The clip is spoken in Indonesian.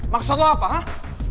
maksud lo apa hah